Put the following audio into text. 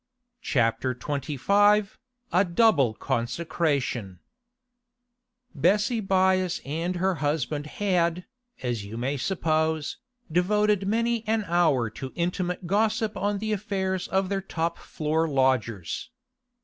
CHAPTER XXV A DOUBLE CONSECRATION Bessie Byass and her husband had, as you may suppose, devoted many an hour to intimate gossip on the affairs of their top floor lodgers.